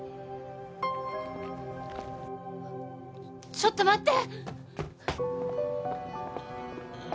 ちょっと待って！